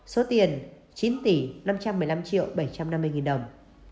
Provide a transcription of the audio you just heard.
số tiền chín năm trăm một mươi năm bảy trăm năm mươi đồng